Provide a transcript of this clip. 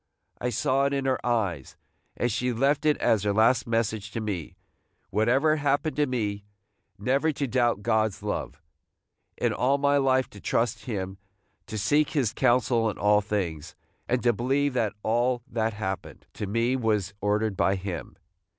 I saw it in her eyes, and she left it as her last message to me, whatever happened to me, never to doubt God's love, – in all my life to trust him, to seek his counsel in all things, and to believe that all that happened to me was ordered by him.